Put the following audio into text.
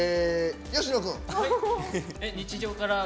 吉野君。